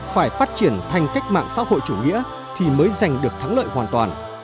phải phát triển thành cách mạng xã hội chủ nghĩa thì mới giành được thắng lợi hoàn toàn